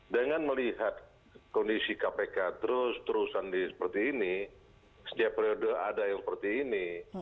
dengan melihat kondisi kpk terus terusan seperti ini setiap periode ada yang seperti ini